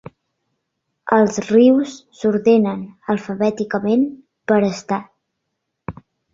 Els rius s'ordenen alfabèticament, per estat.